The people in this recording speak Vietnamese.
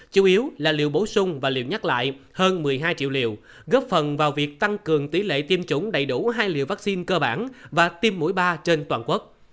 chủ yếu là liệu bổ sung và liệu nhắc lại hơn một mươi hai triệu liều góp phần vào việc tăng cường tỷ lệ tiêm chủng đầy đủ hai liều vaccine cơ bản và tiêm mũi ba trên toàn quốc